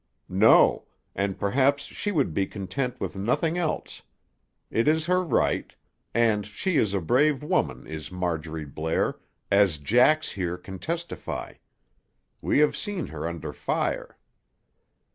"No. And perhaps she would be content with nothing else. It is her right. And she is a brave woman, is Marjorie Blair, as Jax here can testify. We have seen her under fire."